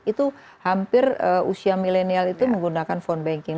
itu hampir usia milenial itu menggunakan phone banking